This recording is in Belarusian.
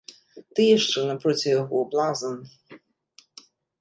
Ты яшчэ напроці яго блазан!